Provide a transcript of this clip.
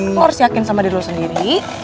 lo harus yakin sama diri lo sendiri